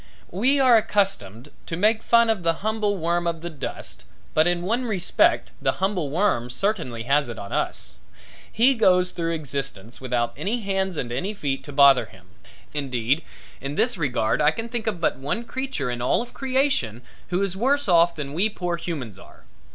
We are accustomed to make fun of the humble worm of the dust but in one respect the humble worm certainly has it on us. He goes through existence without any hands and any feet to bother him. Indeed in this regard I can think of but one creature in all creation who is worse off than we poor humans are.